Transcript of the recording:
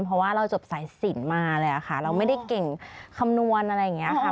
เพราะว่าเราจบสายสินมาเลยค่ะเราไม่ได้เก่งคำนวณอะไรอย่างนี้ค่ะ